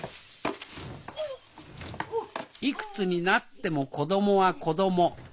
いくつになっても子供は子供。